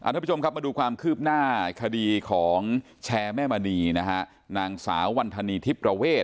ทุกผู้ชมครับมาดูความคืบหน้าคดีของแชร์แม่มณีนางสาววรรษณีย์ทิศประเวศ